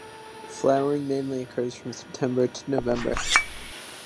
Flowering mainly occurs from September to November.